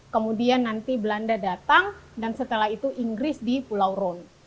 kemudian nanti belanda datang dan setelah itu inggris di pulau ron